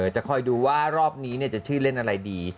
จะคอยดูว่ารอบนี้จะชื่อเล่นอะไรดี